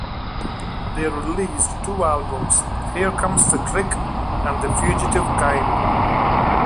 They released two albums, "Here Comes The Trick" and "The Fugitive Kind".